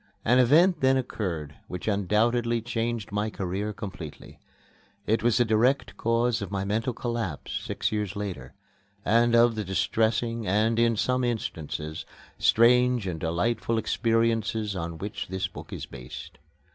An event then occurred which undoubtedly changed my career completely. It was the direct cause of my mental collapse six years later, and of the distressing and, in some instances, strange and delightful experiences on which this book is based.